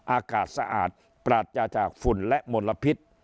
อากาศสะอาดปราศจากฝุ่นและมลพิษ